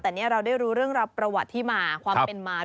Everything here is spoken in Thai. แต่นี่เราได้รู้เรื่องราวประวัติที่มาความเป็นมา